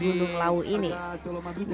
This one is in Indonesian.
sebenarnya menjadi makanan terbaik di kampung